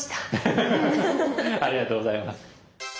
フフフフありがとうございます。